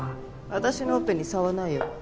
私のオペに差はないよ。